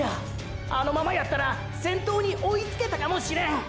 あのままやったら先頭に追いつけたかもしれん。